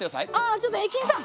あちょっと駅員さん！